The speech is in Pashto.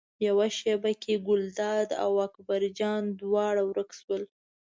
یوه شېبه کې ګلداد او اکبر جان دواړه ورک شول.